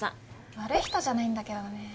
悪い人じゃないんだけどね。